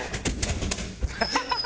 ハハハハ！